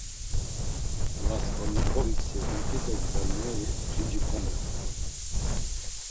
Rasǩolnikovik sixint̆ite gzalineri, xinci komeoxt̆u.